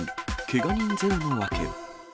けが人ゼロの訳。